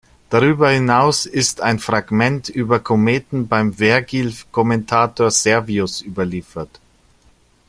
Darüber hinaus ist ein Fragment über Kometen beim Vergil-Kommentator Servius überliefert.